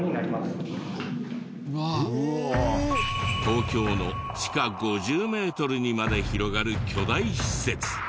東京の地下５０メートルにまで広がる巨大施設。